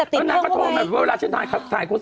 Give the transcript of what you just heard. ต่อกาว